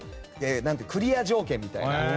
クリア条件みたいな。